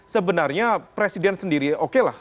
sebenarnya presiden sendiri okelah